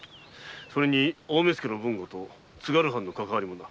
それに大目付の豊後と津軽藩とのかかわりもな。